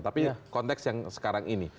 tapi konteks yang sekarang ini